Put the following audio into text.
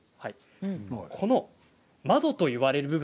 この窓といわれる部分